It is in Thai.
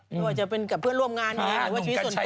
ไม่ว่าจะเป็นกับเพื่อนร่วมงานหรือว่าชีวิตส่วนตัว